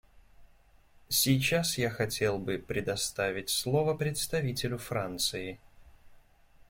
Сейчас я хотел бы предоставить слово представителю Франции.